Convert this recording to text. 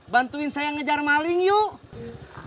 bantuin saya ngejar maling yuk